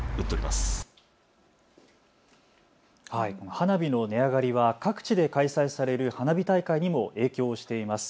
花火の値上がりは各地で開催される花火大会にも影響しています。